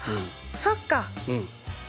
そっか！